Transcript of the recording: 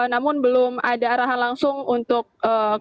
namun belum ada arahan langsung untuk kembali ke media sosial